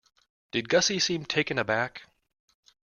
Did Gussie seem taken aback?